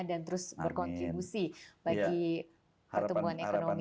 dan terus berkontribusi bagi pertumbuhan ekonomi